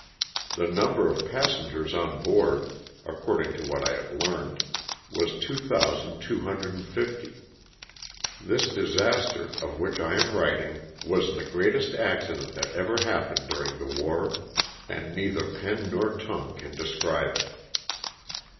The number of passengers on board (according to what I have learned) was two thousand two hundred and fifty (2,250). This disaster, of which I am writing, was the greatest accident that ever happened during the war, and neither pen nor tongue can describe it.